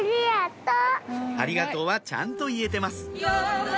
「ありがとう」はちゃんと言えてます